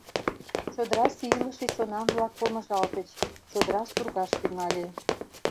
Чодырасе илыше чонан-влак помыжалтыч: чодыра сургаш тӱҥале.